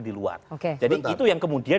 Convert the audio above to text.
di luar jadi itu yang kemudian